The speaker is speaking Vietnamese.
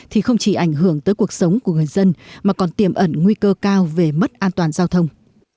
thì không chỉ ảnh hưởng tới cuộc sống của người dân mà còn tiềm ẩn nguy cơ cao về mất an toàn giao thông